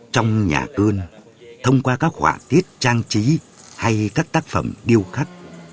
trong nhà gương thông qua các họa tiết trang trí hay các tác phẩm điêu khắc